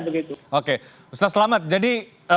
begitu oke ustaz selamat jadi